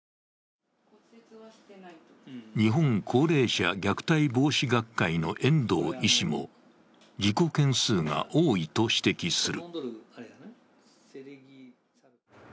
日本高齢者虐待防止学会の遠藤医師も、事故件数が多いと指摘する。